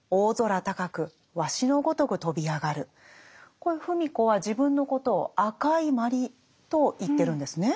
これ芙美子は自分のことを「赤いマリ」と言ってるんですね。